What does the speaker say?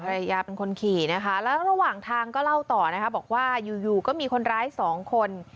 ภรรยาเป็นคนขี่นะคะแล้วระหว่างทางก็เล่าต่อนะคะบอกว่าอยู่อยู่ก็มีคนร้ายสองคน